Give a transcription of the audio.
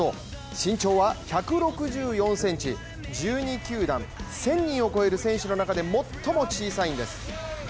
身長は１６４ｃｍ、１２球団１０００人を超える選手の中で最も小さいんです。